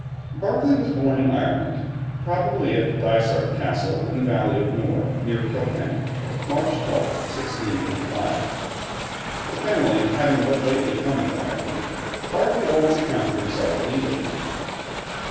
] Berkeley was born in Ireland, probably at Dysart Castle in the Valley of the Nore, near Kilkenny, March 12, 1685. The family having but lately come into Ireland, Berkeley always accounted himself an Englishman.